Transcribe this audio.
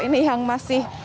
ini yang masih